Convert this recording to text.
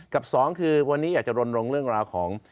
สองคือวันนี้อยากจะรณรงค์เรื่องราวของ